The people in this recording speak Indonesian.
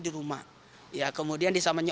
di rumah kemudian disamanya